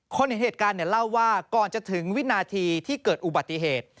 เห็นเหตุการณ์เนี่ยเล่าว่าก่อนจะถึงวินาทีที่เกิดอุบัติเหตุ